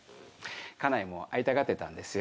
家内も会いたがってたんですよ。